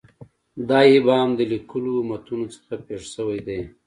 دا ابهام د لیکلو متونو څخه پېښ شوی دی.